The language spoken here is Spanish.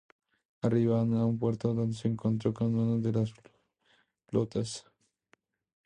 Arribaron a un puerto, donde se encontró con una de las flotas.